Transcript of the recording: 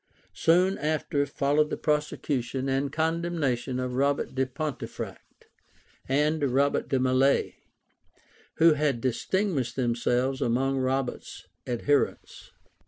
Soon after followed the prosecution and condemnation of Robert de Pontefract and Robert de Mallet, who had distinguished themselves among Robert's adherents.